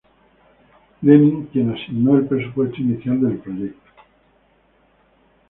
Lenin, quien asignó el presupuesto inicial del proyecto.